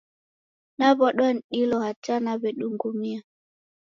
Naw'adwa ni dilo hata naw'edungumia